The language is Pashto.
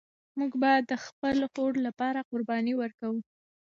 موږ به د خپل هوډ لپاره قرباني ورکوو.